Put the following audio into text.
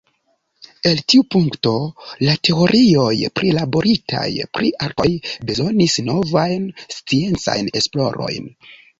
En tiu punkto la teorioj prilaboritaj pri arkoj bezonis novajn sciencajn esplorojn.